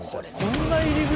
こんな入り口！？